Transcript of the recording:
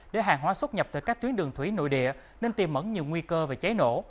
để hàng hóa xuất nhập từ các tuyến đường thủy nội địa nên tìm mẫn nhiều nguy cơ về cháy nổ